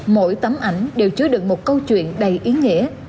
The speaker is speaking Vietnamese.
mỗi tấm ảnh đều chứa được một câu chuyện đầy ý nghĩa